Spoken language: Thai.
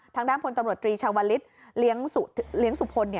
ทางด้านพลตำรวจตรีชาวลิศเลี้ยงสุพล